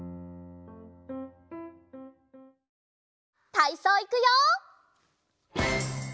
たいそういくよ！